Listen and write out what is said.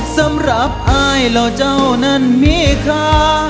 สำหรับอายเหล่าเจ้านั้นมีค่า